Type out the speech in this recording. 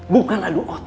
bukan adu otot